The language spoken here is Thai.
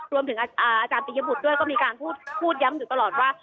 รวมถึงอาจารย์ปียบุตรด้วยก็มีการพูดย้ำอยู่ตลอดว่า